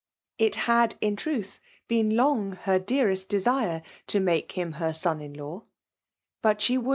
If. had, in truth, been long her dearest dcsive tp make him her son in law; but she woul4.